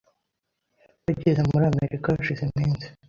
Bageze muri Amerika hashize iminsi.